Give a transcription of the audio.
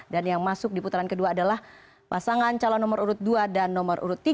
dan yang masuk di putaran kedua adalah pasangan calon nomor urut dua dan nomor urut tiga